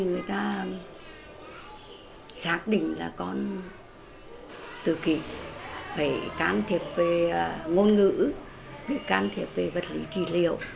người ta xác định là con tự kỷ phải can thiệp về ngôn ngữ can thiệp về vật lý trị liệu